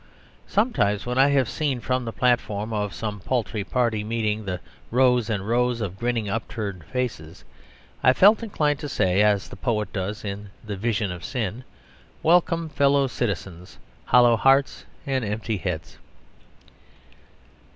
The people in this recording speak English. Sometimes when I have seen from the platform of some paltry party meeting the rows and rows of grinning upturned faces, I have felt inclined to say, as the poet does in the "The Vision of Sin" "Welcome fellow citizens, Hollow hearts and empty heads."